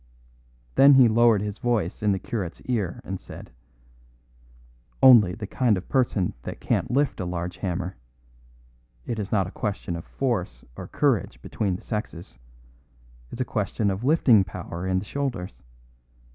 Then he lowered his voice in the curate's ear and said: "Only the kind of person that can't lift a large hammer. It is not a question of force or courage between the sexes. It's a question of lifting power in the shoulders.